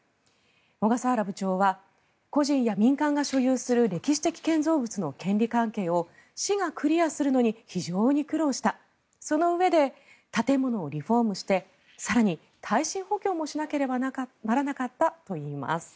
小笠原部長は個人や民間が所有する歴史的建造物の権利関係を市がクリアするのに非常に苦労したそのうえで建物をリフォームして更に耐震補強もしなければならなかったといいます。